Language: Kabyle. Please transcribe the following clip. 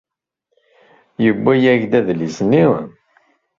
Yewwi-yak-d adlis-nni.